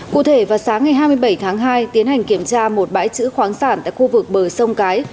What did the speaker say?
cụ thể vào sáng ngày hai mươi bảy tháng hai tiến hành kiểm tra một bãi chữ khoáng sản tại khu vực bờ sông cái